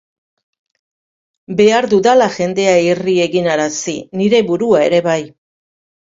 Behar dudala jendea irri eginarazi, nire burua ere bai.